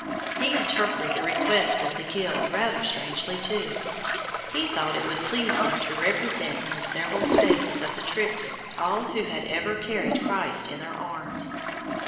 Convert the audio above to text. He interpreted the request of the guild rather strangely too he thought it would please them to represent in the several spaces of the triptych all who had ever carried Christ in their arms.